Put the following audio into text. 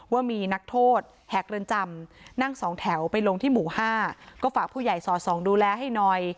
ว่ามีนักโทษแหกเรือนจำนั่งสองแถวไปลงที่หมู่๕ก็ฝากผู้ใหญ่สอดส่องดูแลให้หน่อย